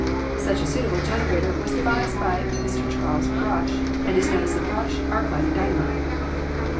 Such a suitable generator was devised by Mr. Charles Brush, and is known as the Brush arc light ing dynamo.